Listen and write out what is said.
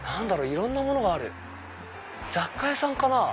いろんなものがある雑貨屋さんかな？